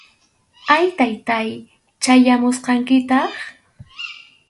Ay, Taytáy, chayamusqankitaq